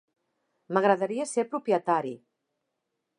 M'agradaria ser propietari.